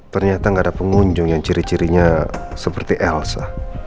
ternyata nggak ada pengunjung yang ciri cirinya seperti elsa